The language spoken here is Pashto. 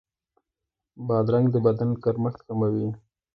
بادرنګ د بدن ګرمښت کموي.